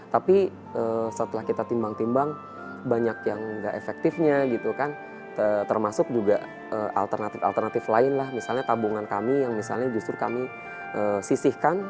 tapi setelah kita timbang timbang banyak yang nggak efektifnya gitu kan termasuk juga alternatif alternatif lain lah misalnya tabungan kami yang misalnya justru kami sisihkan